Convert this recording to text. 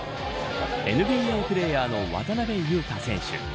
ＮＢＡプレーヤーの渡邊雄太選手。